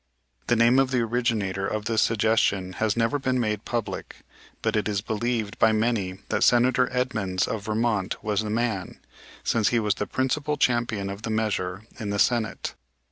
The name of the originator of this suggestion has never been made public; but it is believed by many that Senator Edmunds, of Vermont, was the man, since he was the principal champion of the measure in the Senate.